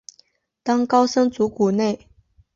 当高僧祖古内。